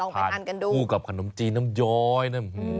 พัดผู้กับขนมจีนน้ำย้อยนะ